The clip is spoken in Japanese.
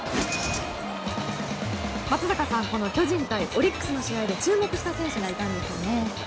松坂さんこの巨人対オリックスの試合で注目した選手がいたんですよね。